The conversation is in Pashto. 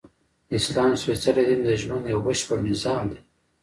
د اسلام سپیڅلی دین د ژوند یؤ بشپړ نظام دی!